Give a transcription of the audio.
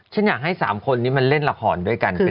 ฉันอยากให้สามคนนี้มันเล่นรับหนุ่มด้วยกัน